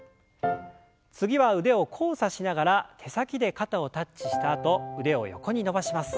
次は腕を交差しながら手先で肩をタッチしたあと腕を横に伸ばします。